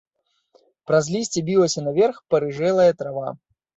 Праз лісце білася наверх парыжэлая трава.